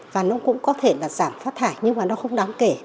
và nó cũng có thể là giảm phát thải nhưng mà nó không đáng kể